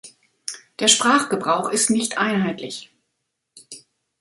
Der Sprachgebrauch ist nicht einheitlich.